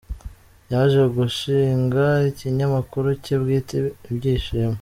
Yaje gushinga ikinyamakuru cye bwite Ibyishimo.